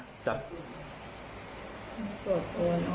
กดโอนออก